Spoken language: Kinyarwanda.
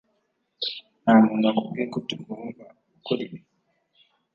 Ntamuntu wakubwiye ko utagomba gukora ibi?